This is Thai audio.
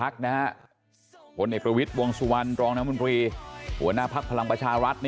ผลเอกประวิทย์วงสุวรรณรองน้ำมนตรีหัวหน้าภักดิ์พลังประชารัฐ